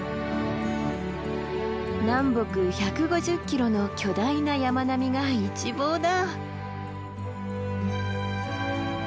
南北１５０ｋｍの巨大な山並みが一望だ。